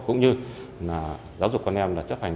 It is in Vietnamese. cũng như giáo dục con em là chấp hành